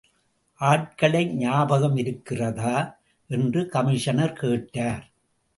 ஆட்களை ஞாபகமிருக்கிறதா? என்று கமிஷனர் கேட்டார்.